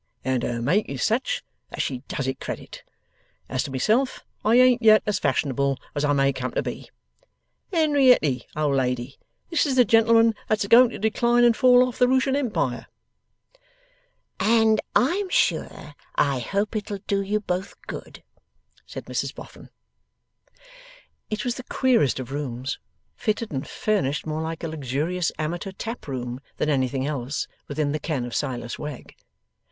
And her make is such, that she does it credit. As to myself I ain't yet as Fash'nable as I may come to be. Henerietty, old lady, this is the gentleman that's a going to decline and fall off the Rooshan Empire.' 'And I am sure I hope it'll do you both good,' said Mrs Boffin. It was the queerest of rooms, fitted and furnished more like a luxurious amateur tap room than anything else within the ken of Silas Wegg.